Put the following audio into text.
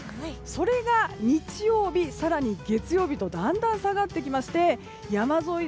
それが日曜日、更に月曜日とだんだん下がってきまして山沿い、